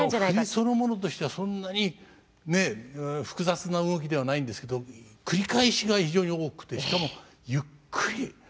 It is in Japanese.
いや振りそのものとしてはそんなにね複雑な動きではないんですけど繰り返しが非常に多くてしかもゆっくり。